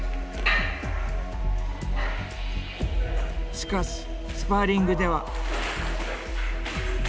しかしスパーリングでは。